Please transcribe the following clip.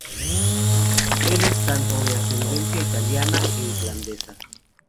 Él es tanto de ascendencia italiana e irlandesa.